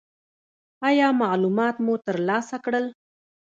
ایا معلومات مو ترلاسه کړل؟